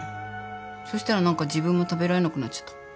そしたら何か自分も食べられなくなっちゃった。